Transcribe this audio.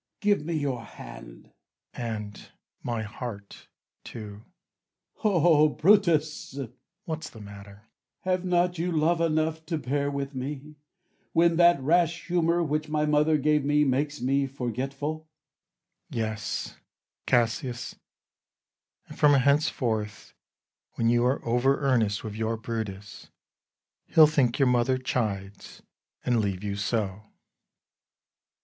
Give me your hand. Bru. And my heart too. Cas. O Brutus! Bru. What's the matter? Cas. Have not you love enough to bear with me, When that rash humour which my mother gave me, Makes me forgetful? Bru. Yes, Cassius; and, from henceforth, When you are over earnest with your Brutus, He'll think your mother chides, and leave you so.